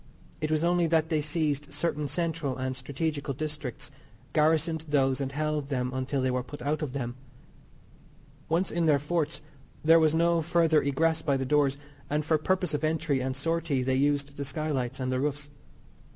It was only that they seized certain central and stragetical districts, garrisoned those and held them until they were put out of them. Once in their forts there was no further egress by the doors, and for purpose of entry and sortie they used the skylights and the roofs.